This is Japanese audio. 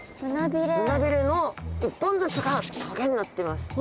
胸びれの１本ずつが棘になってます。